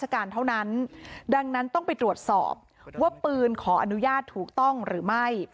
คุณขออนุญาตถูกต้องหรือไม่